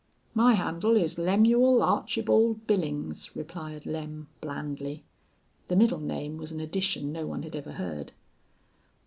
"My handle is Lemuel Archibawld Billings," replied Lem, blandly. The middle name was an addition no one had ever heard.